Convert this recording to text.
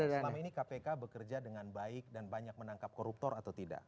selama ini kpk bekerja dengan baik dan banyak menangkap koruptor atau tidak